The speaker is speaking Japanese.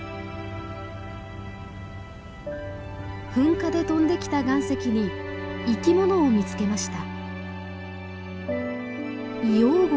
噴火で飛んできた岩石に生き物を見つけました。